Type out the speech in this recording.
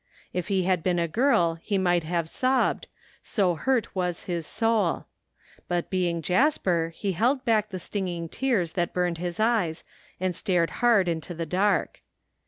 If he had been a girl he might have sobbed, so hurt was his sotd ; but being Jasper he held back the stinging tears that burned his eyes and stared hard into the dark.